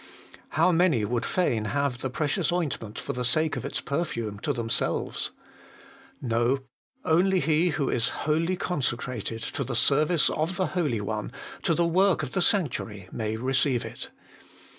How many would fain have the precious ointment for the sake of its perfume to themselves ! No, only he who is wholly consecrated to the service of the Holy One, to the work of the sanctuary, may receive it.